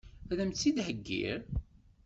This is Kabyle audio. Ad m-tt-id-heggiɣ?